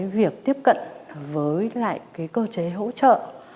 việc tiếp cận với lại cơ chế hỗ trợ